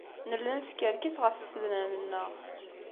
Nella neskerkis ɣef tsednan-nneɣ.